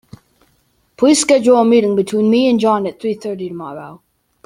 Please schedule a meeting between me and John at three thirty tomorrow.